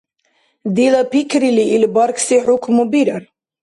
Дила пикрили, ил бархьси хӀукму бирар…